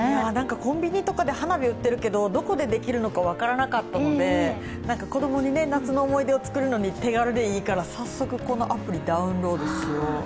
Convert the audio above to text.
コンビニとかで花火売ってるけど、どこでできるのか分からなかったので子供に夏の思い出を作るのに手軽でいいから早速このアプリダウンロードしよう。